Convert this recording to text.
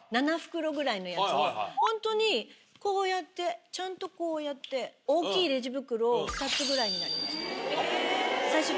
ホントにこうやってちゃんとこうやって大きいレジ袋２つぐらいになりました。